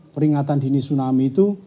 peringatan dini tsunami itu